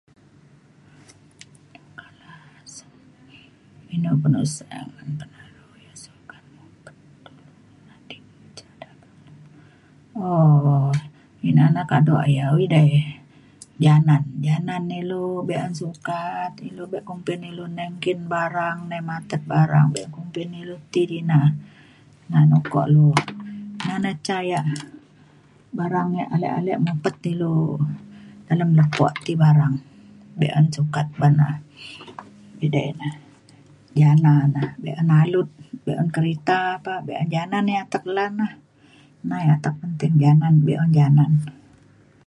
um ina na kado ia’ idai janan janan ilu be’un sukat ti ilu be kumbin ilu nenggin barang nai matet barang be kumbin dilu ti di na. na na ukok na na ca yak barang yak ale ale mepet ilu dalem lepo ti bareng be’un sukat ban la edei ina jala na be’un alut be’un kerita pa be’un janan yak lan na atek janan be’un janan